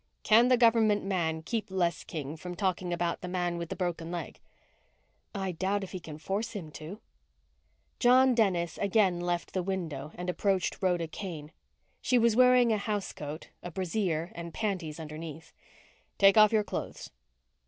"Can the government man keep Les King from talking about the man with the broken leg?" "I doubt if he can force him to." John Dennis again left the window and approached Rhoda Kane. She was wearing a housecoat, a brassiere and panties underneath. "Take off your clothes."